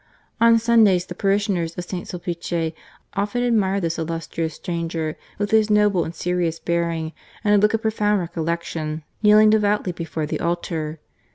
On Sundays the parishioners of St. Sulpice often admired this illustrious stranger, with his noble and serious bearing, and a look of pro found recollection, kneeling devoutly before the altar.